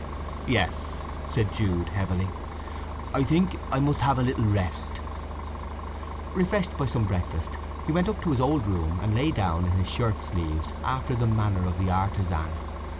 "Yes," said Jude heavily. "I think I must have a little rest." Refreshed by some breakfast, he went up to his old room and lay down in his shirt sleeves, after the manner of the artizan.